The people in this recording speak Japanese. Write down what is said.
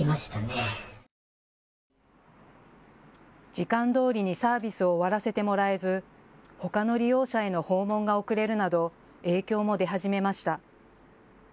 時間どおりにサービスを終わらせてもらえず他の利用者への訪問が遅れるなど影響も出始めました。